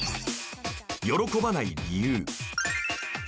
喜ばない理由。